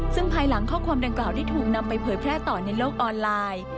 ซึ่งภายหลังข้อความดังกล่าวได้ถูกนำไปเผยแพร่ต่อในโลกออนไลน์